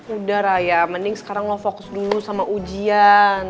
udah raya mending sekarang lo fokus dulu sama ujian